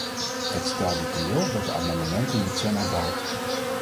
Het stelt me teleur dat de amendementen niet zijn aanvaard.